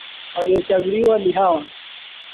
Waliochaguliwa ni hawa.